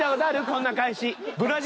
こんな返し。